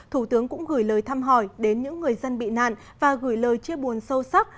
thủ tướng cũng gửi lời thăm hỏi đến những người dân bị nạn và gửi lời chia buồn sâu sắc